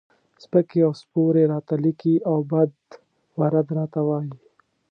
سپکې او سپورې راته لیکي او بد و رد راته وایي.